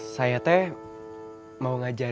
saya teh mau ngajarin